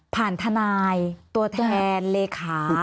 ผ่านทนายตัวแทนเลขา